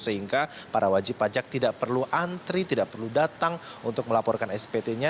sehingga para wajib pajak tidak perlu antri tidak perlu datang untuk melaporkan spt nya